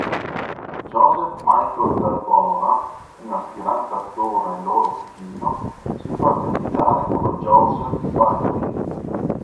Joseph Michael D'Albora, un aspirante attore loro cugino, si fa accreditare come Joseph Baldwin.